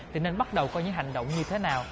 thì nên bắt đầu có những hành động như thế nào